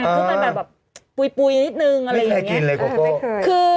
โอเคโอเคโอเค